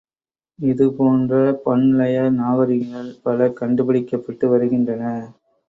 இது போன்ற பன்ழய நாகரிகங்கள் பல கண்டுபிடிக்கப்பட்டு வருகின்றன்.